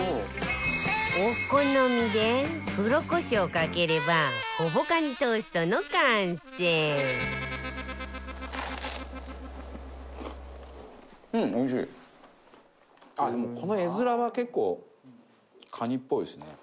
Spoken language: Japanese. お好みで黒コショウをかければほぼカニトーストの完成でもこの画づらは結構カニっぽいですね。